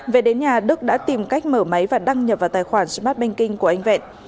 về đến nhà đức đã tìm cách mở máy và đăng nhập vào tài khoản smart banking của anh vẹn